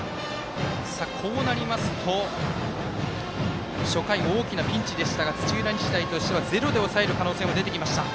こうなりますと初回、大きなピンチでしたが土浦日大としてはゼロで抑える可能性も出てきました。